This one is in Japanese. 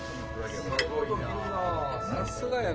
さすがやな。